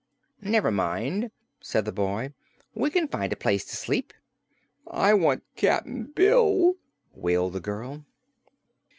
"Never mind," said the boy. "We can find a place to sleep." "I want Cap'n Bill," wailed the girl.